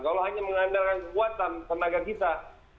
kalau hanya mengandalkan kekuatan tenaga kita